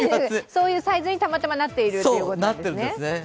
そういうサイズにたまたまなっているんですね。